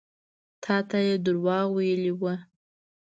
تا ته يې دروغ ويلي وو.